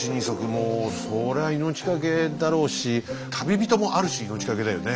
もうそりゃ命がけだろうし旅人もある種命がけだよね。